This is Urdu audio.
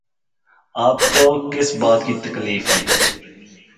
آپ کو کس بات کی تکلیف ہے؟